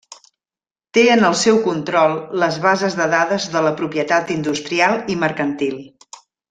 Té en el seu control les bases de dades de la propietat industrial i mercantil.